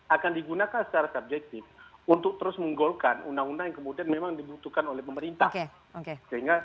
akan digunakan secara subjektif untuk terus menggolkan undang undang yang kemudian memang dibutuhkan oleh pemerintah sehingga